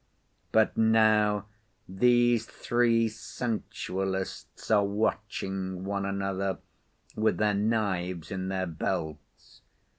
But now, these three sensualists are watching one another, with their knives in their belts.